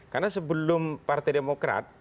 karena sebelum partai demokrat